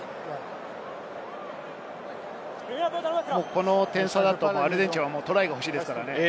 この点差だとアルゼンチンはトライが欲しいですからね。